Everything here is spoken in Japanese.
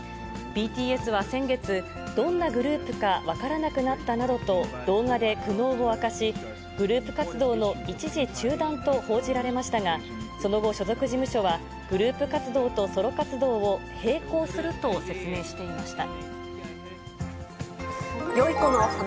ＢＴＳは先月、どんなグループか分からなくなったなどと、動画で苦悩を明かし、グループ活動の一時中断と報じられましたが、その後、所属事務所はグループ活動とソロ活動を並行すると説明していました。